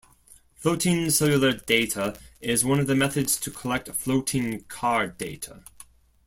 Floating cellular data is one of the methods to collect floating car data.